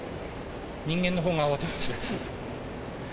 人間のほうが慌てました。